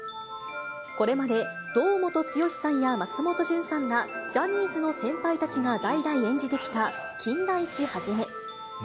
これまで、堂本剛さんや松本潤さんら、ジャニーズの先輩たちが代々演じてきた金田一一。